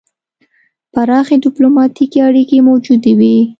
پراخې ډیپلوماتیکې اړیکې موجودې وې.